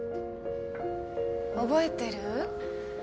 覚えてる？